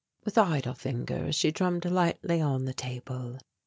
With idle fingers she drummed lightly on the table.